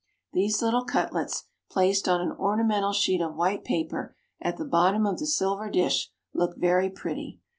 These little cutlets, placed on an ornamental sheet of white paper, at the bottom of the silver dish, look very pretty.